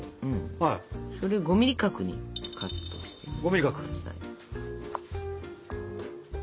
それ５ｍｍ角にカットしてください。